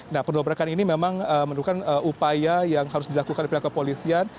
nah pendobrakan ini memang menurutkan upaya yang harus dilakukan pihak kepolisian